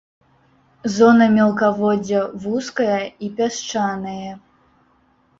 Зона мелкаводдзя вузкая і пясчанае.